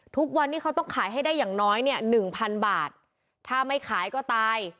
ทุกวันนี้เขาต้องขายให้ได้อย่างน้อยเนี่ยหนึ่งพันบาทถ้าไม่ขายก็ตาย